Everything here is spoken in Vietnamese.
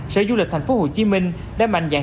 sở du lịch tp hcm đã mạnh dạng